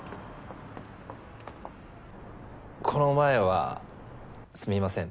この前はすみません。